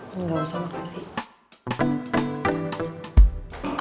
engga usah makasih